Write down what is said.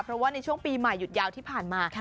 เพราะว่าในช่วงปีใหม่หยุดยาวที่ผ่านมา